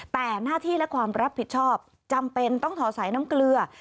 แต่หน้าที่และความรับผิดชอบจำเป็นต้องถอดสายน้ำเกลือ